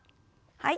はい。